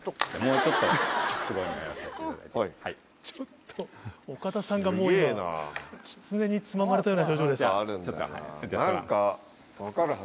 ちょっと岡田さんがキツネにつままれたような表情です。